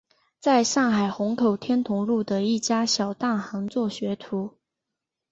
在上海虹口天潼路的一家小蛋行做学徒。